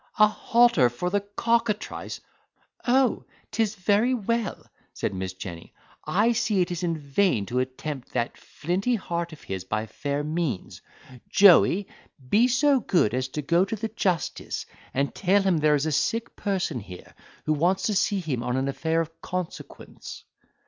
—a halter for the cockatrice!" "Oh! 'tis very well," said Miss Jenny; "I see it is in vain to attempt that flinty heart of his by fair means. Joey, be so good as to go to the justice, and tell him there is a sick person here, who wants to see him on an affair of consequence."